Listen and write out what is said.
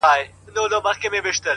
پر هر ځای چي ټولۍ وینی د پوهانو!